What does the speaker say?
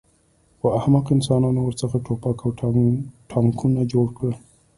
خو احمقو انسانانو ورڅخه ټوپک او ټانکونه جوړ کړل